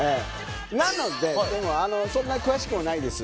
なのでそんな詳しくもないです